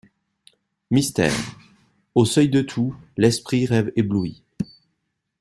Mystère! au seuil de tout l’esprit rêve ébloui.